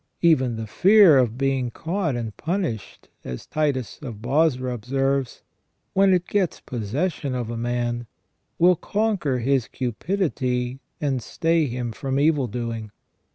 Even the fear of being caught and punished, as Titus of Bozra observes, when it gets possession of a man, will conquer his cupidity and stay him from evil doing.